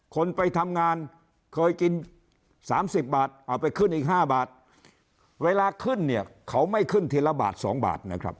คนไปทำงานเคยกิน๓๐บาทเอาไปขึ้นอีก๕บาทเวลาขึ้นเนี่ยเขาไม่ขึ้นทีละบาท๒บาทนะครับ